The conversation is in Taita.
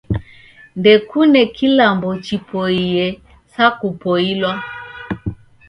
Ndekune kilambo chipoiye sa kupoilwa